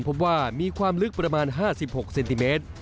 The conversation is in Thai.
พบว่ามีความลึกประมาณ๕๖เซนติเมตร